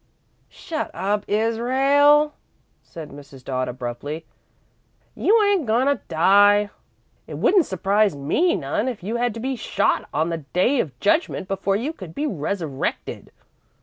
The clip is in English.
"Shut up, Israel," said Mrs. Dodd, abruptly. "You ain't goin' to die. It wouldn't surprise me none if you had to be shot on the Day of Judgment before you could be resurrected.